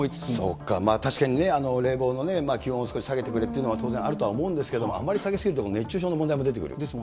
そうか、確かに冷房のね、気温少し下げてくれっていうのは当然あるとは思うんですけれども、あまり下げ過ぎると熱中症の問題も出てくる。